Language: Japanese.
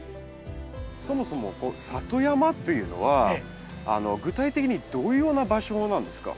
そもそもこの里山っていうのは具体的にどういうような場所なんですか？